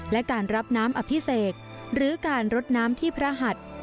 และการรับน้ำอภิเษกหรือการรดน้ำที่พระหัด